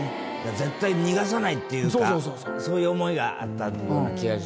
絶対逃がさないっていうかそういう思いがあったような気がしますよね。